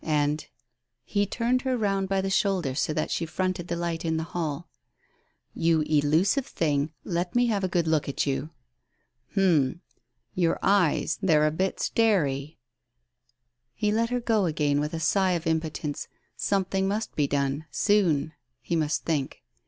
And" — he turned her round by the shoulder so that she fronted the light in the hall — "you elusive thing, let me have a good look at you. ... Hum I Your eyes, they're a bit starey. ..." He let her go again with a sigh of impotence. Some thing must be done ... soon ... he must think.